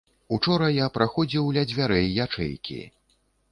Учора я праходзіў ля дзвярэй ячэйкі.